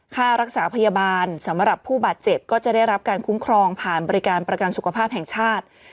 ค่ารักษาพยาบาลสำหรับผู้บาดเจ็บก็จะได้รับการคุ้มครองผ่านบริการประกันสุขภาพแห่งชาติ